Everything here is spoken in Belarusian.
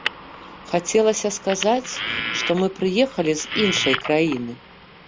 Хацелася сказаць, што мы прыехалі з іншай краіны.